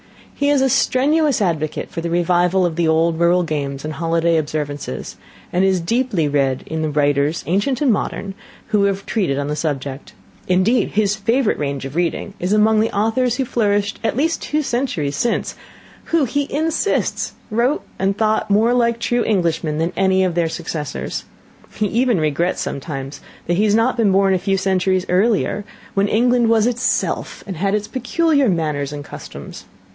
He is a strenuous advocate for the revival of the old rural games and holiday observances, and is deeply read in the writers, ancient and modern, who have treated on the subject. Indeed, his favourite range of reading is among the authors who flourished at least two centuries since; who, he insists, wrote and thought more like true Englishmen than any of their successors. He even regrets sometimes that he had not been born a few centuries earlier, when England was itself, and had its peculiar manners and customs.